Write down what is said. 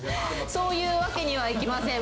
そういうわけにはいきません。